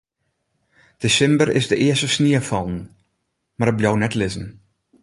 Desimber is de earste snie fallen, mar it bliuw net lizzen.